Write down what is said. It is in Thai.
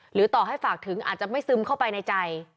ต่อให้ฝากถึงอาจจะไม่ซึมเข้าไปในใจ